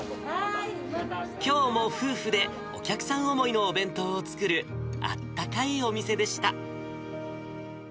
きょうも夫婦で、お客さん思いのお弁当を作る、あったかいお店でした。